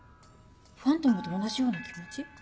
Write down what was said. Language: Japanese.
ファントムと同じような気持ち？